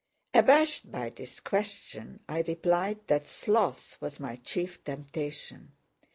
Abashed by this question, I replied that sloth was my chief temptation.